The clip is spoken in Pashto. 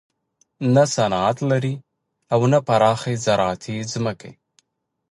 نه صنعت لري او نه پراخې زراعتي ځمکې.